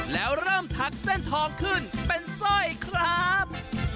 แล้วเริ่มถักเส้นทองขึ้นเป็นสร้อยครับ